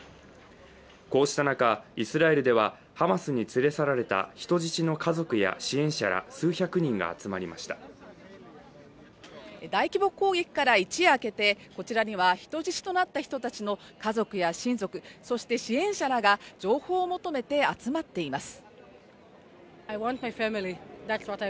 こうした中、イスラエルではハマスに連れ去られた人質の家族や支援者ら大規模攻撃から一夜明けて、こちらには人質となった人たちの家族や親族、そして支援者らが情報を求めて集まっています